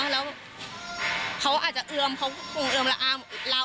แล้วเขาอาจจะเอือมเขาคงเอือมละอามเรา